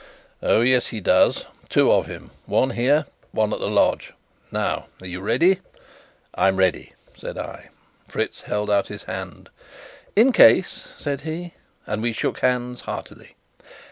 "Oh, yes, he does two of him: one here one at the lodge. Now, are you ready?" "I'm ready," said I. Fritz held out his hand. "In case," said he; and we shook hands heartily.